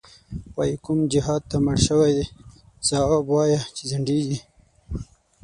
وایې کوم جهادته مړ شوی، ځواب وایه چی ځندیږی